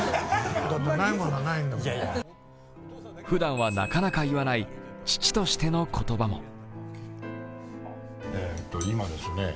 ふだんはなかなか言わない父としての言葉も。